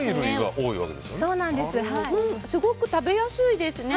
すごく食べやすいですね。